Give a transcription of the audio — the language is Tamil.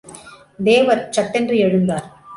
தேவர் சட்டென்று எழுந்தார்.